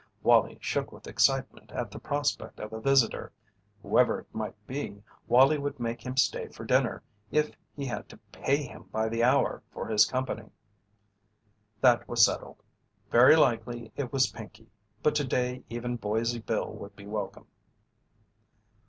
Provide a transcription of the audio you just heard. Wallie shook with excitement at the prospect of a visitor. Whoever it might be, Wallie would make him stay for dinner if he had to pay him by the hour for his company. That was settled. Very likely it was Pinkey, but to day even Boise Bill would be welcome.